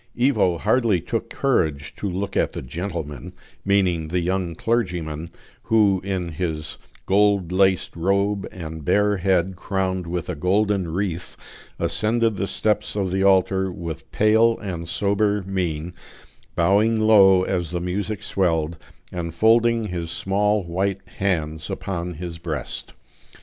Ivo hardly took courage to look at the "gentleman," meaning the young clergyman, who, in his gold laced robe, and bare head crowned with a golden wreath, ascended the steps of the altar with pale and sober mien, bowing low as the music swelled, and folding his small white hands upon his breast.